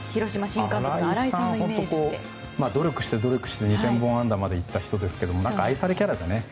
新井さんは努力して努力して２０００本安打まで行った人ですけど何か、愛されキャラだね。